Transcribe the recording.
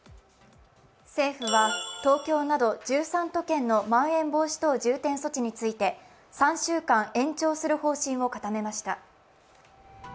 政府は東京など１３都県のまん延防止等重点措置について３週間延長する方針を固めました。